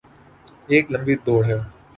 یہ ایک لمبی دوڑ ہے۔